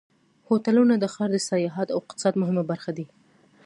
هوټلونه د ښار د سیاحت او اقتصاد مهمه برخه دي.